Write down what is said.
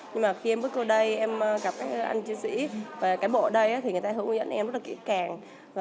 nhưng mà khi em bước qua đây em gặp các anh chiến sĩ và cán bộ ở đây thì người ta hướng dẫn em rất là kỹ càng